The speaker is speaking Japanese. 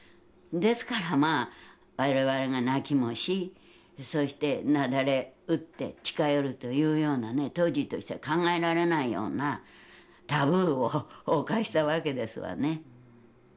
ですからまあ我々が泣きもしそして雪崩打って近寄るというようなね当時としては考えられないようなタブーを犯したわけですわね。